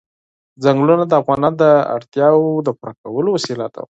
ځنګلونه د افغانانو د اړتیاوو د پوره کولو وسیله ده.